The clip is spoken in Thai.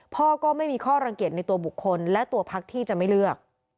พ่อก็ไม่มีข้อรังเกียจในตัวบุคคลและตัวพักที่จะไม่เลือก